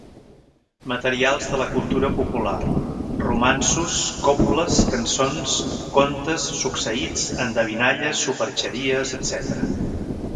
Materials de la cultura popular: romanços, cobles, cançons, contes, succeïts, endevinalles, superxeries, etcètera.